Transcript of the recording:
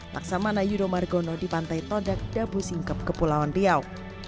laksamana yudo margono di pantai todak dabu singkep kepulauan riau